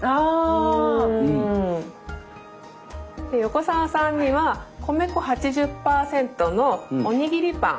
横澤さんには米粉８０％のおにぎりパン。